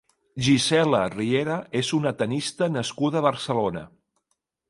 Gisela Riera és una tennista nascuda a Barcelona.